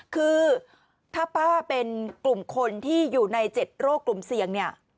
คือถ้าป้าเป็นกลุ่มคนที่อยู่ใน๗โรคกลุ่มเสี่ยงเนี่ย